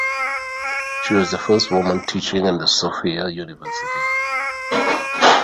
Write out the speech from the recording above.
She was the first woman teaching in the Sofia University.